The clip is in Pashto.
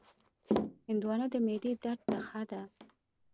هندوانه د معدې درد ته ښه ده.